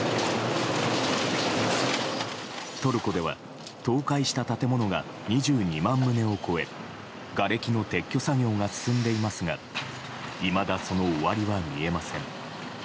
トルコでは倒壊した建物が２２万棟を超えがれきの撤去作業が進んでいますがいまだその終わりは見えません。